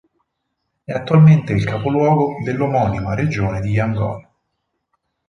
È attualmente il capoluogo dell'omonima Regione di Yangon.